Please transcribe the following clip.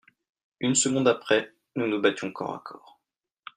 Une seconde après, nous nous battions corps à corps.